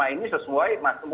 ini sesuai mas